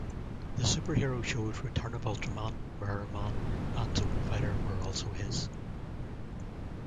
The superhero shows "Return of Ultraman", "Mirrorman", and "Zone Fighter" were also his.